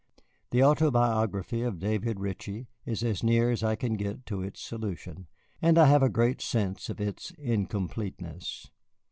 The autobiography of David Ritchie is as near as I can get to its solution, and I have a great sense of its incompleteness.